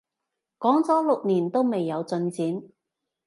講咗六年都未有進展